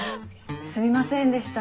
すみませんでした